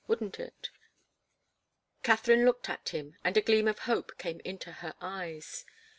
Wouldn't it?" Katharine looked at him, and a gleam of hope came into her eyes.